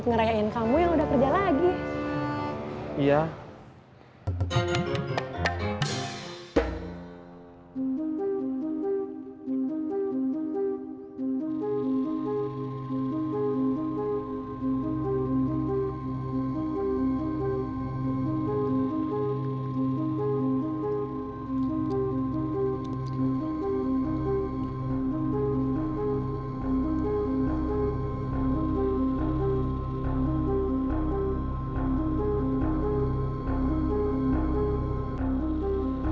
biasa dua kali loh